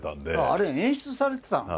あれ演出されてたの？